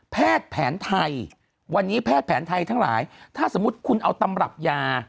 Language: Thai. แพทย์แผนไทยวันนี้แพทย์แผนไทยทั้งหลายถ้าสมมุติคุณเอาตำรับยา